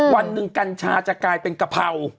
วันหนึ่งกัญชาจะกลายเป็นกะเพรา